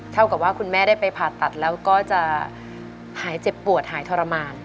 เท่ากับว่าคุณแม่ได้ไปผ่าตัดแล้วก็จะหายเจ็บปวดหายทรมาน